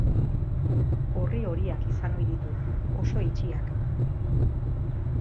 Orri horiak izan ohi ditu, oso itxiak.